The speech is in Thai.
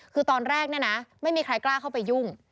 คือตอนแรกเนี่ยนะไม่มีใครกล้าเข้าไปยุ่ง